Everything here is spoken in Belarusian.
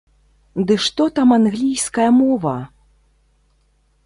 Ды што там англійская мова!